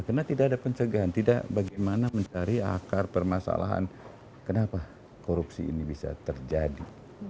karena tidak ada pencegahan tidak bagaimana mencari akar permasalahan kenapa korupsi ini bisa terjadi